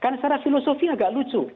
karena secara filosofi agak lucu